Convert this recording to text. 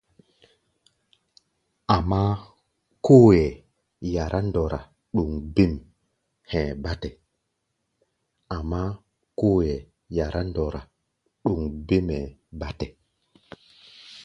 Amáá, kóo hɛ̧ɛ̧ yará ndɔra ɗoŋ bêm hɛ̧ɛ̧ bátɛ.